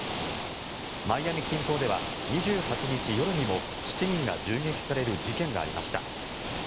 マイアミ近郊では２８日夜にも７人が銃撃される事件がありました。